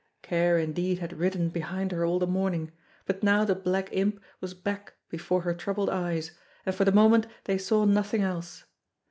Care indeed had ridden behind her all the morning; but now the black imp was back before her troubled eyes, and for the moment they saw nothing else.